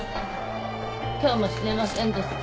今日も死ねませんでした。